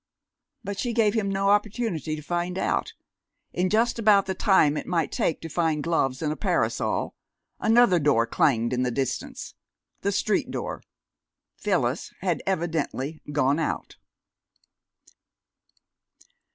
But she gave him no opportunity to find out. In just about the time it might take to find gloves and a parasol, another door clanged in the distance. The street door. Phyllis had evidently gone out.